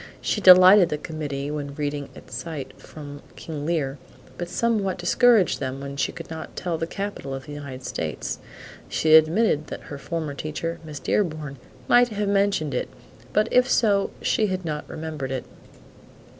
She delighted the committee when reading at sight from "King Lear," but somewhat discouraged them when she could not tell the capital of the United States. She admitted that her former teacher, Miss Dearborn, might have mentioned it, but if so she had not remembered it.